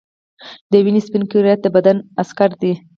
د وینې سپین کرویات د بدن عسکر دي